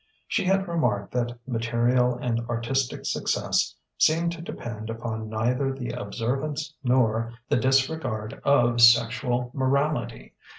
She had remarked that material and artistic success seemed to depend upon neither the observance nor the disregard of sexual morality.